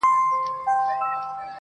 ستا خيال وفكر او يو څو خـــبـــري~